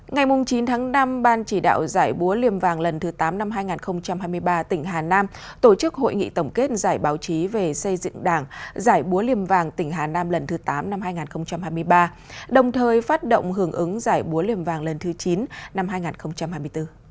ngày chín tháng năm ban chỉ đạo giải búa liềm vàng lần thứ tám năm hai nghìn hai mươi ba tỉnh hà nam tổ chức hội nghị tổng kết giải báo chí về xây dựng đảng giải búa liềm vàng tỉnh hà nam lần thứ tám năm hai nghìn hai mươi ba đồng thời phát động hưởng ứng giải búa liềm vàng lần thứ chín năm hai nghìn hai mươi bốn